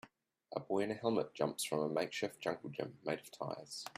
A boy in a helmet jumps from a makeshift junglegym made of tires.